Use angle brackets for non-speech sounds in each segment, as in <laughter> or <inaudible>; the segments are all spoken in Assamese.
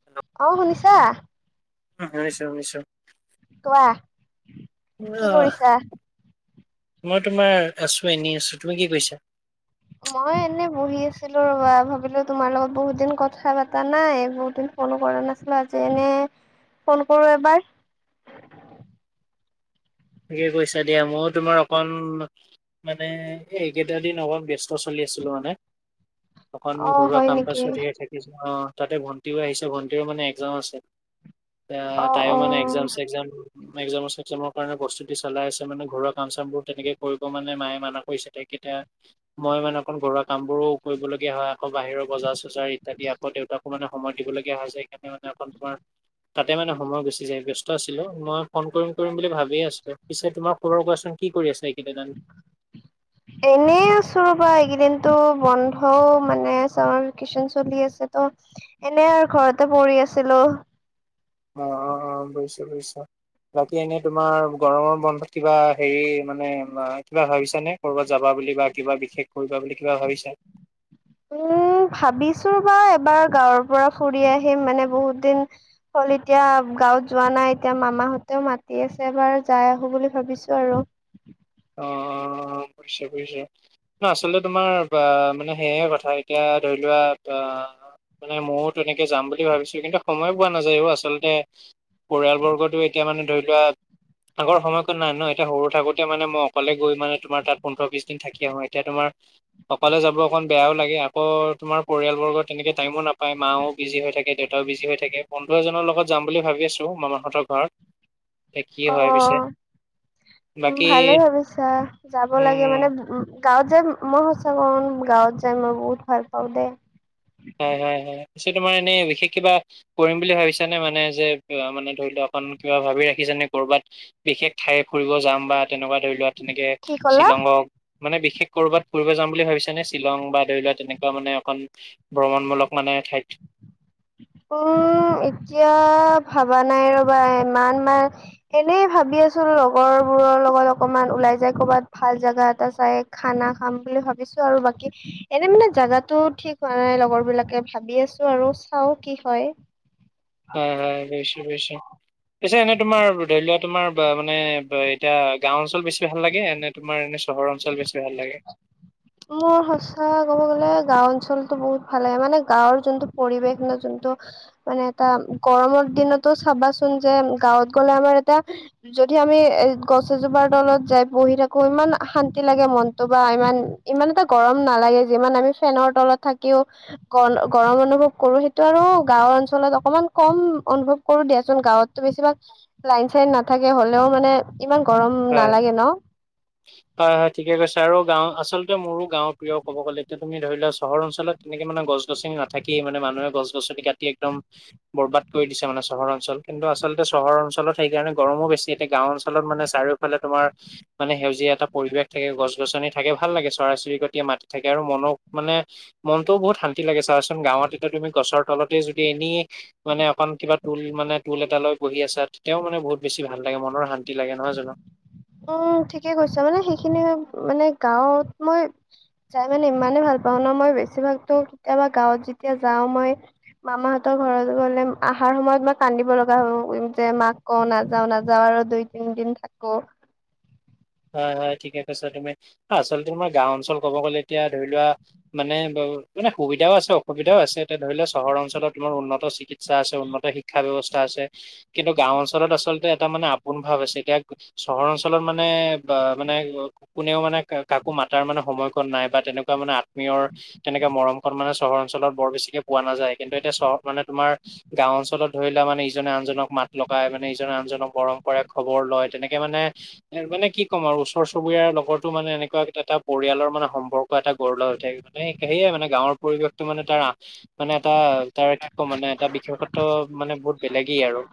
<unintelligible> অহ' শুনিছা। উম, শুনিছোঁ, শুনিছোঁ। কোৱা। কি অহ' কৰিছা? মই তোমাৰ আছোঁ, এনেই আছোঁ, তুমি কি কৰিছা? মই এনে বহি আছিলোঁ ৰবা ভাবিলোঁ তোমাৰ লগত বহুত দিন কথা পতা নাই বহুত দিন। ফোনো কৰা নাছিলোঁ। আজি এনে ফোন কৰো এবাৰ। থিকে কৈছা দিয়া, ময়ো তোমাৰ অকণ মানে এই এইকেইটা দিন অকণ ব্যস্ত। চলি আছিলোঁ মানে অকন অ ঘৰুৱা হয় কাম কাজো নেকি <unintelligible> থাকে অ' তাতে ভণ্টিও আহিছে, ভন্টিও মানে এক্সাম আছে এ অ তাইয়ো অ মানে। এক্সাম চেক্মামৰ এক্সাম চেছনৰ কাৰণে প্ৰস্তুতি চলাই আছে মানে ঘৰৰ কাম চাম বোৰ তেনেকে কৰিব মানে মায়ে মানা কৰিছে তাকেতাই। মই মানে অকণ ঘৰুৱা কাম বোৰো কৰিবলগীয়া হয়। আকৌ বাহিৰৰ বজাৰ চজাৰ ইত্যাদি আকৌ দেউতাকো মানে। সময় দিবলগীয়া হৈছে, সেইকাৰণে মানে অকন তোমাৰ তাতে মানে সময় গুছি যায়, ব্যস্ত আছিলোঁ, মই ফোন কৰিম কৰিম বুলি ভাবিয়েই আছোঁ। পিছে তোমাৰ খৰৰ কোৱাচোন কি কৰি আছে এইকেইদিন <unintelligible> <unintelligible> এনেই আছো ৰ'বা এইকেইদিনতো বন্ধও মানে চামাৰ ভেকেশচন চলি আছে তো এনে আৰু ঘৰতে পৰি আছিলো। অ', অ', অ', বুজিছোঁ বুজিছোঁ। বাকী এনে তোমাৰ গৰমৰ বন্ধত কিবা হেৰি মানে কিবা ভাবিছানে। ক'ৰবাত যাবা বুলি বা কিবা বিশেষ কৰিবা বুলি কিবা ভাবিচা। উম' ভাবিছো বাৰু এবাৰ গাঁৱৰ পৰা ফুৰি আহিম মানে বহুত দিন হ'ল এতিয়া গাঁৱত যোৱা নাই এতিয়া মামাহঁতেও মাতি আছে এবাৰ যায় আহো বুলি ভাবিছো আৰু। অ'। ন আচলতে তোমাৰ বা মানে সেয়ে কথা এতিয়া ধৰি লোৱা অ' মানে ময়ো তেনেকে যাম বুলি ভাবিছোঁ কিন্তু সময় পোৱা নাযায়ও আচলতে পৰিয়ালবৰ্গতো এতিয়া মানে ধৰি লোৱা আগৰ সময়কত নাই ন এতিয়া সৰু থাকোতে মানে মই অকলে গৈ মানে তোমাৰ তাত পোন্ধৰ বিশ দিন থাকিয আহো এতিয়া তোমাৰ অকলে যাব অকণ বেয়াও লাগে আকৌ তোমাৰ পৰিয়ালবৰ্গ তেনেকে টাইমো নাপায় মাও বিজি হৈ থাকে দেউতাও বিজি হৈ থাকে বন্ধু এজনৰ লগত যাম বুলি ভাবি আছো মাম মাহঁতৰ ঘৰত এতিয়া কি হয় পিছে অ', বাকী ভালে ভাবিছা। যাব লাগে উম মানে গাঁৱত যাই মই সঁচা কো গাঁৱত যায় মই বহুত ভাল পাওঁ দেই। হয়, হয়, হয় এনে তোমাৰ এনেই বিশেষ কিবা কৰিম বুলি ভাবিছা নে মানে যে মানে ধৰি লোৱা অকন কিবা ভাবি ৰাখিছ নে কৰ'বাত বিশেষ ঠাই ফুৰিব যাম বা তেনেকুৱা ধৰি লোৱা তেনেকে কি কলা শ্বিলঙক মানে বিশেষ ক'ৰবাত ফুৰিব যাম বুলি ভাবিছ নে শ্বিলং বা আৰি লোৱা তেনেকুৱা মানে অকণ ভ্ৰমণমূলক মানে ঠাইত। উম' এতিয়া ভাবা নাই ৰ'বা ইমান মাহ এনেই ভাবি আছো লগৰ বোৰৰ লগত অকমান ওলাই যায় কৰ'বাত ভাল জেগা এটা চাই খানা খাম বুলি ভাবিছো আৰু বাকী এনে মানে জোগাতো ঠিক হোৱা নাই লগৰ বিলাকে ভাবি আছো আৰু চাও। কি হয়। হয়, হয় বুজিছো- বুজিছো। পিছে এনে তোমাৰ ধৰি লোৱা তোমাৰ মানে এতিয়া গাওঁ অঞ্চল বেছি ভাল লাগে এনে তোমাৰ এনে চহৰ অঞ্চল বেছি ভাল লাগে। মোৰ সঁচা ক'ব গ'লে গাওঁ অঞ্চলতটো বহুত ভালে লাগে। মানে গাঁওৰ যোনটো পৰিৱেশ ন যোনটো মানে এটা গৰমৰ দিনতো চাবাচোন যে গাঁৱত গ'লে আমাৰ এটা যদি আমি এ' গছ এজোপাৰ তলত যাই বহি থাকো ইমান শান্তি লাগে মনতটো বা ইমান ইমান এটা গৰম নালাগে যিমান আমি ফেনৰ তলত থাকিও গৰম অনুভৱ কৰো সেইটো আৰু গাঁওৰ অঞ্চলত অকমান কম অনুভৱ কৰো দিয়াচোন গাঁৱততো বেছিভাগ লাইন-চাইন নাথাকে হ'লেও মানে ইমান গৰম হয় নালাগে ন। হয়, হয় ঠিকে কৈছে আৰু গাঁও আচলতে মোৰো গাঁৱৰ প্ৰিয়, ক'ব গ'লে এতিয়া তুমি ধৰি লোৱা চহৰ অঞ্চলত তেনেকে মানে গছ-গছনি নাথাকে মানে মানুহে গছ গছনি কাটি একদম বৰবাদ কৰি দিছে মানে চহৰ অঞ্চল কিন্তু আচলতে চহৰ অঞ্চলত সেইকাৰণে গৰমো বেছি এতিয়া গাঁও অঞ্চলত মানে চাৰি মানে তোমাৰ মানে সেউজীয়া এটা পৰিৱেশ থাকে গছ-গছনি থাকে ভাল লাগে চৰাই-চিৰিকটীয়া মাতি থাকে আৰু মন মানে মনটোও বহু শান্তি লাগে চাবা চোন গাঁৱত এতিয়া তুমি গছৰ তলতে যদি এনেই মানে অকণ কিবা তুল মানে টোল এটা লৈ বহি আছা তেওঁ মানে বহুত বেছি ভাল লাগে মনৰ শান্তি লাগে নহয় জানো। উম' ঠিকে কৈছ মানে সেইখিনি মানে গাঁৱত মই যাই মানে ইমানে ভাল পাওঁ ন মই বেছিভাগতো কেতিয়াবা গাঁৱত যেতিয়া যাওঁ মই মামাহঁতৰ ঘৰত গ'লে আহাৰ সময়ত মই কান্দিব লগা হয় যে মাক কও নাযাও-নাযাও আৰু দুই-তিন দিন থাকো। হয়, হয় ঠিকে কৈছা তুমি। আচলতে তোমাৰ গাওঁ অঞ্চল ক'ব গলে এতিয়া ধৰি লোৱা মানে মানে সুবিধাও আছে অসুবিধাও আছে। এতিয়া ধৰি লও চহৰ অঞ্চলত তোমাৰ উন্নত চিৎ আছে, উন্নত শিক্ষা ব্যৱস্থা আছে। কিন্তু গাওঁ অঞ্চলত আচলতে এটা মানে আপোন ভাৱ আছে। এতিয়া চহৰ অঞ্চলত মানে বা মানে কোনেও মানে কাকো মাতাৰ মানে সময়কণ নাই বা তেনেকুৱা মানে আত্মীয়ৰ তেনেকে মৰমকন মানে চহৰ অঞ্চলত বৰ বেছিকে পোৱা নাযায়। কিন্তু এতিয়া চহৰ মানে তোমাৰ গাঁও অঞ্চলত ধৰি লোৱা মানে ইজনে আনজনক মাত লগাই, মানে ইজনে আনজনক মৰম কৰে, খবৰ লয় তেনেকে মানে এ মানে কি কি কম আৰু ওচৰ চুবুৰিয়াৰ লগতো মানে এনেকুৱা এটা পৰিয়ালৰ মানে সম্পৰ্ক এটা গঢ় লৈ উঠে। সেয়াই মানে গাঁৱৰ পৰিৱেশটো মানে তাৰ মানে এটা তাৰ কি কম মানে এটা বিশেষত্ব মানে বহুত বেলেগেই আৰু।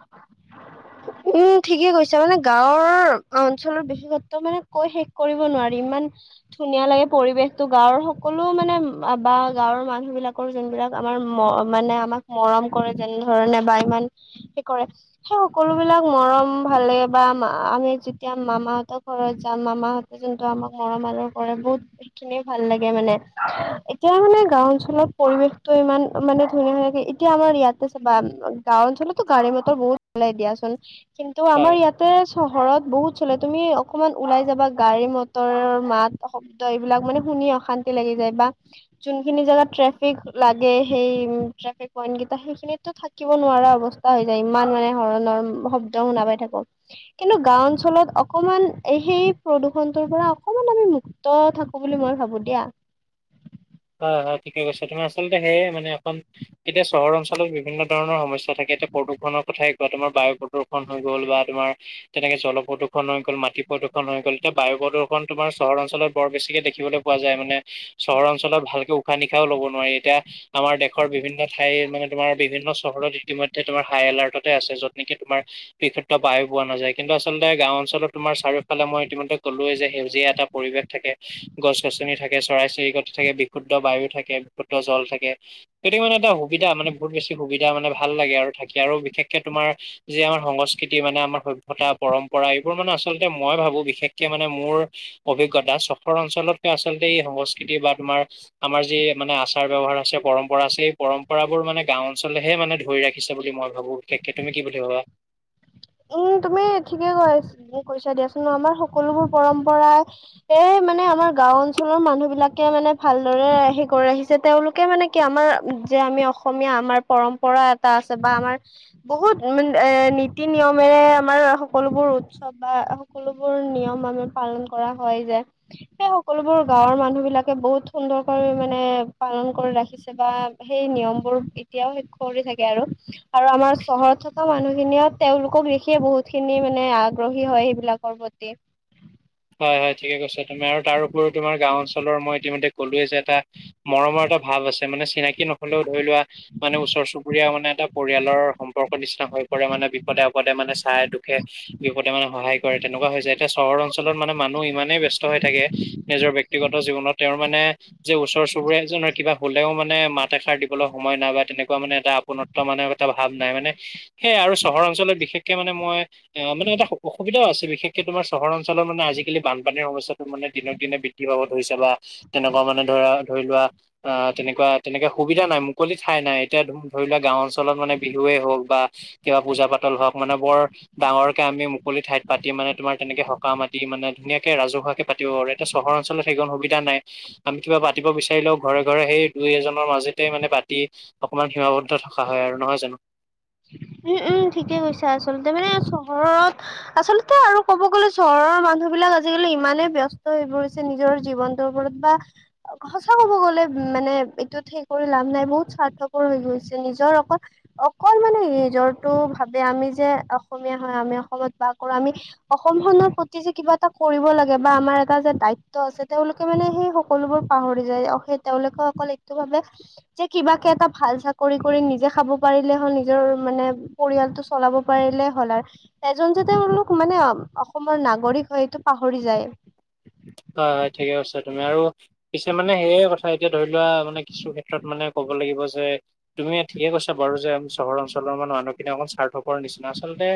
উম ঠিকে কৈছা মানে গাঁৱৰ অঞ্চলৰ বিশেষত্ব মানে কৈ শেষ কৰিব নোৱাৰি ইমান। ধুনীয়া লাগে পৰিৱেশটো গাঁৱৰ সকলো মানে বা গাঁৱৰ মানুহ বিলাক। যোনবিলাক আমাৰ ম মানে আমাক মৰম কৰে যেনে ধৰণে বা ইমান। সেই কৰে সেই সকলো সেই বিলাক মৰম ভালে বা আমি যেতিয়া মামাহঁতৰ ঘৰত যাম মামাহঁত যোনটো আমাক মৰম আদৰ কৰে বহুত সেইখিনিয়ে ভাল লাগে মানে এতিয়াও মানে গাওঁ অঞ্চলত পৰিৱেশটো ইমান মানে ধুনীয়া হৈ থাকে। এতিয়া আমাৰ ইয়াতে চাবা গাওঁ অঞ্চলতো গাড়ী মটৰ বহুত হলেই দিয়াচোন কিন্তু আমাৰ ইয়াত। তাতে চহৰত বহুত চলে তুমি অকমান ওলাই যাবা গাড়ী মটৰৰ মাত। শব্দ এইবিলাক মানে শুনি অশান্তি লাগি যায় বা যোনখিনি জেগাত ট্ৰেফিক লাগে সেই ট্ৰেফিক পইন্ট কেইটা সেইখিনিতো থাক কিব নোৱাৰা অৱস্থা হৈ যায় ইমান মানে হৰ্ণৰ শব্দ শুনা পাই থাকো। কিন্তু গাওঁ অঞ্চলত অকমান সেই প্ৰদূষণটোৰ পৰা অকমান আমি মুক্ত। থাকো বুলি মই ভাবো দিয়া। হয় হয় ঠিকে কৈছে তুমাৰ আচলতে সেয়ে মানে অকন এতিয়া চহৰ অঞ্চলত বিভিন্ন ধৰণৰ সমস্যা থাকে এতিয়া প্ৰদূষণৰ কথাই কোৱা তোমাৰ বায়ু প্ৰদূষণ। হৈ গ'ল বা তোমাৰ। তেনেকে জল প্ৰদূষণ হৈ গ'ল মাটি প্ৰদূষণ হৈ গ'ল এতিয়া বায়ু প্ৰদূষণ তোমাৰ চহৰঞ্চলত বৰ বেছিকে দেখিবলৈ পোৱা যায় মানে চহৰ অঞ্চলত ভালকে উশাহ নিশাহও ল'ব নোৱাৰি এতিয়া আমাৰ দেশৰ বিভিন্ন ঠাই মানে তোমাৰ বিভিন্ন চহৰত ইতিমধ্যে তোমাৰ হাই এলাৰ্টতে আছে যত নেকি তোমাৰ বিশুদ্ধ বায়ু পোৱা নাযায় কিন্তু আচলতে গাঁও অঞ্চলত চাৰিওফালে মই ইতিমধ্যে কলোৱে যে সেউজীয়া এটা পৰিৱেশ থাকে গছ গছনি থাকে চৰাই চিৰিকটি থাকে বিশুদ্ধ বায়ু থাকে বিশুদ্ধ জল থাকে। সেইটোৱে মানে এটা সুবিধা মানে বহুত বেছি সুবিধা মানে ভাল লাগে আৰু থাকি আৰু বিশেষকে তোমাৰ যি আমাৰ সংস্কৃতি মানে আমাৰ সভ্যতা পৰম্পৰা এইবোৰ মানে আচলতে মই ভাবো বিশেষকে মানে মোৰ অভিজ্ঞতা চহৰ অঞ্চলতো আচলতে এই সংস্কৃতি বা তোমাৰ আমাৰ যি মানে আচাৰ ব্যৱহাৰ আছে পৰম্পৰা আছে এই পৰম্পৰাবোৰ মানে গাও অঞ্চলেহে মানে ধৰি ৰাখিছে বুলি মই ভাবোঁ। ভাবু একে তুমি কি বুলি ভাবা? উম তুমি ঠিকে কৈ কৈছা দিয়াচোন আমাৰ সকলোবোৰ পৰম্পৰা এ মানে আমাৰ গাও অঞ্চলৰ মানুহ বিলাকে মানে ভালদৰে হেৰি কৰি আহিছে তেওঁলোকে মানে কি আমাৰ যে আমি অসমীয়া আমাৰ পৰম্পৰা এটা আছে বা আমাৰ বহুত এ নীতি নিয়মেৰে আমাৰ সকলোবোৰ উৎসৱ বা সকলোবোৰ নিয়ম আমাৰ পালন কৰা হয় যে সেই সকলোবোৰ গাঁৱৰ মানুহ বিলাকে বহুত সুন্দৰকৈ মানে পালন কৰি ৰাখিছে। বা সেই নিয়ম বোৰ এতিয়াও শেষ কৰি থাকে আৰু। আৰু আমাৰ চহৰত থকা মানুহখিনিয়ে তেওঁলোকক দেখিয়ে বহুত খিনি মানে আগ্ৰহী হয় সেইবিলাকৰ প্ৰতি। হয় হয় ঠিকে কৈছা তুমি আৰু তাৰ উপৰিও তোমাৰ গাঁও অঞ্চলৰ মই ইতিমধ্যে ক'লোৱে যে এটা মৰমৰ এটা ভাৱ আছে মানে চিনাকি নহলেও ধৰি লোৱা মানে ওচৰ চুবুৰীয়া মানে এটা পৰিয়ালৰ সম্পৰ্ক নিচিনা হৈ পৰে মানে বিপদে আপদে মানে চাই দুখে বিপদে মানে সহায় কৰে তেনেকুৱা হৈ যায় এতিয়া চহৰ অঞ্চলত মানে মানুহ ইমানেই ব্যস্ত হৈ থাকে নিজৰ ব্যক্তিগত জীৱনত তেওঁৰ মানে যে ওচৰ চুবুৰীয়া এজনৰ কিবা হ'লেও মানে মাত এষাৰ দিবলৈ সময় নাই বা তেনেকুৱা মানে এটা আপোন মানে এটা ভাৱ নাই মানে সেয়া আৰু চহৰ অঞ্চলত বিশেষকে মানে মই অ' মানে এটা অসুবিধাও আছে। বিশেষকে তোমাৰ চহৰ অঞ্চলৰ মানে আজিকালি বানপানীৰ সমস্যাত মানে দিনে বৃদ্ধি পাব ধৰিছে বা তেনেকুৱা মানে ধৰা ধৰি লোৱা। আহ তেনেকুৱা তেনেকে সুবিধা নাই মুকলি ঠাই নাই এতিয়া ধৰি লোৱা গাওঁ অঞ্চলত মানে বিহুৱেই হওঁক বা কিবা পূজা পাতল হওঁক মানে বৰ ডাঙৰকে আমি মুকলি ঠাইত পাতি মানে তোমাৰ তেনেকে হওঁক কাম আদি মানে ধুনিয়াকে ৰাজহুৱাকে পাতিব পাৰো। এতিয়া চহৰ অঞ্চলত সেইকণ সুবিধা নাই। আমি কিবা পাতিব বিচাৰিলেও ঘৰে ঘৰে সেই দুই এজনৰ মাজেতে মানে পাতি অকমান সীমাবদ্ধ থকা হয় আৰু নহয় জানো। উম, উম, ঠিকে কৈছা আচলতে মানে চহৰত আচলতে আৰু ক'ব গ'লে চহৰৰ মানুহবিলাক আজিকালি ইমানে ব্যস্ত হৈ পৰিছে। নিজৰ জীৱনটোৰ ওপৰত বা সঁচা ক'ব গ'লে মানে এইটোত সে কৰি লাভ নাই বহুত স্বাৰ্থপৰ হৈ গৈছে নিজৰ অক অকল মানে নিজৰটো ভাবে আমি যে অসমীয়া হয় আমি অসমত বাস কৰো আমি অসমখনৰ প্ৰতি যে কিবা এটা কৰিব লাগে বা আমাৰ এটা যে দায়িত্ব আছে তেওঁলোক মানে সেই সকলোবোৰ পাহৰি যায়। সেই তেওঁলোকে অকল একটো ভাবে যে কিবাকে এটা ভাল চাকৰি কৰি নিজে খাব পাৰিলে হ'ল নিজৰ মানে পৰিয়ালটো চলাব পাৰিলে হ'ল আৰু। এজন যে তেওঁলোক মানে অসমৰ নাগৰিক হয় এইটো পাহৰি যায়। হয়, হয়, ঠিকে কছা তুমি আৰু পিছে মানে সেয়ে কথা এতিয়া ধৰি লোৱা মানে কিছু ক্ষেত্ৰত মানে ক'ব লাগিব যে তুমি ঠিকে কৈছ বাৰু যে চহৰ অঞ্চলৰ মানে মানুহখিনি অকণ স্বাৰ্থকৰ নিচিনা। আচলতে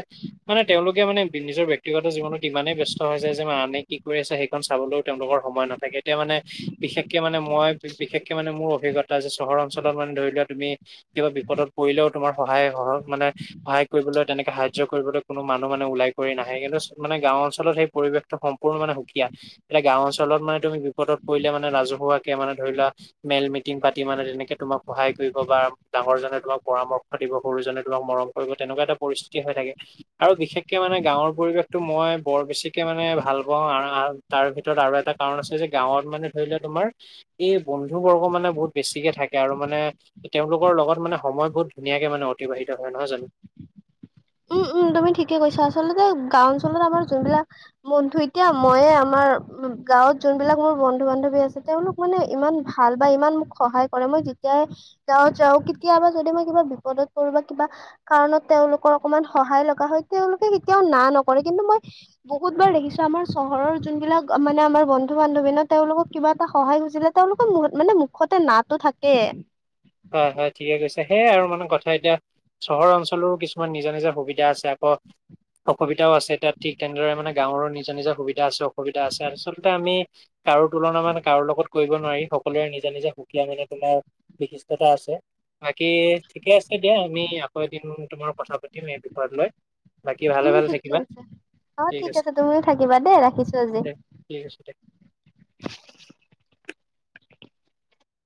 মানে তেওঁলোকে মানে নিজৰ ব্যক্তিগত জীৱনত ইমানেই ব্যস্ত হৈ যায় যে মা আনে কি কৰি আছে চাবলৈও তেওঁলোকৰ সময় নাথাকে। এতিয়া মানে বিশেষকে মানে মই বিশেষকে মানে মোৰ অভিজ্ঞতা যে চহৰ অঞ্চলত মানে ধৰি লোৱা তুমি কিবা বিপদত পৰিলেও তোমাৰ সহায় সহ মানে সহায় কৰিবলৈ তেনেকে সাহায্য কৰিবলৈ কোনো মানুহ মানে ওলাই কৰি নাহে। কিন্তু মানে গাঁও অঞ্চলত সেই পৰিৱেশ সম্পূৰ্ণ মানে সুকীয়া এতিয়া গাওঁ অঞ্চলত মানে তুমি বিপদত পৰিলে মানে ৰাজহুৱাকে মানে ধৰি লোৱা মেইেল মিটিং পাতি মানে তেনেকে তোমাক সহায় কৰিব বা ডাঙৰজনে তোমাক পৰামৰ্শ দিব সৰুজনে তোমাক মৰম কৰিব তেনেকুৱা এটা পৰিস্থিতি হৈ থাকে। আৰু বিশেষকে মানে গাঁৱৰ পৰিৱেশটো মই বৰ বেছিকে মানে ভাল পাওঁ আৰু আহ তাৰ ভিতৰত আৰু এটা কাৰণ আছে যে গাঁৱত মানে ধৰি লোৱা তোমাৰ এই বন্ধু বৰ্গ মানে বহুত বেছিকে থাকে আৰু মানে তেওঁলোকৰ লগত মানে সময় বহুত ধুনীয়াকে মানে অতিবাহিত হয় নহয় জানো? উম, উম তুমি ঠিকে কৈছা আচলতে গাওঁ অঞ্চলত আমাৰ যোনবিলাক বন্ধু এতিয়া মইে আমাৰ গাঁৱত যোনবিলাক মোৰ বন্ধু বান্ধৱী আছে তেওঁলোক মানে ইমান ভাল বা ইমান মোক সহায় কৰে মই যেতিয়াই তেওঁ যাওঁ কেতিয়াবা যদি মই কিবা বিপদত পৰো বা কিবা কাৰণত তেওঁওলোকৰ অকমান সহায় লগা হয় তেওঁলোকে কেতিয়াও না নকৰে। কিন্তু মই বহুত বাৰ দেখিছো আমাৰ চহৰৰ যোনবিলাক মানে আমাৰ বন্ধু বান্ধৱী তেওঁলোকক কিবা এটা সহায় খুজিলে তেওঁলোকৰ মু মানে মুখতে নাতো থাকে। হয়, হয় ঠিকে কৈছে সেইয়াই আৰু মানে কথা। এতিয়া চহৰ অঞ্চলৰো কিছুমান নিজা নিজা সুবিধা আছে আকৌ অসুবিধাও আছে এতিাত ঠিক তেনেদৰে মানে গাঁৱৰো নিজৰ নিজৰ সুবিধা আছে অসুবিধা আছে। আচলতে আমি কাৰো তুলনা মানে কাৰো লগত কৰিব নোৱাৰি সকলোৰে নিজা নিজে সুকীয়া মানে তোমাৰ বিশি আছে বাকী ঠিকে আছে দিয়া আমি আকৌ এদিন তোমাৰ কথা পাতিম এই বিষয়ত লৈ। বাকী ভালে উম, ভালে ঠিকে থাকিবা আছে অ' ঠিক আছে তুমিও থাকিবা দেই ৰাখিছো আজি। দে ঠিক আছে দিয়া।